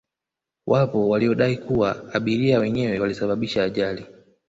wapo waliodai kuwa abiria wenyewe walisababisha ajali